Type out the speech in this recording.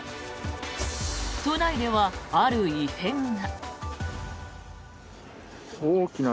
都内では、ある異変が。